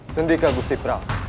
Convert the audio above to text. sendika gusti prabu